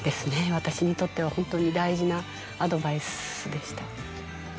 私にとってはホントに大事なアドバイスでした。